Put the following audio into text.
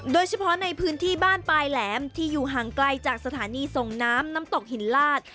โดยเฉพาะในพื้นที่บ้านปลายแหลมที่อยู่ห่างไกลจากสถานีส่งน้ำน้ำตกหินลาด